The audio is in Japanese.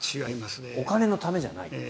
お金のためじゃないという。